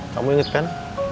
kamu inget kan